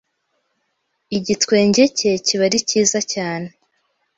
Igitwenge cye kiba ari kiza cyane